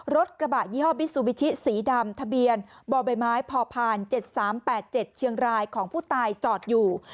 รถกระบะยี่ห้อบิซูบิชิสีดำทะเบียนบ่อใบไม้พอผ่าน๗๓๘๗เชียงรายของผู้ตายจอดอยู่